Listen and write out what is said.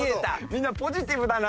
みんなポジティブだな。